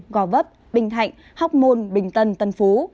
gò vấp bình thạnh hóc môn bình tân tân phú